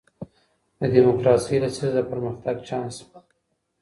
د ډیموکراسۍ لسیزه د پرمختګ چانس و.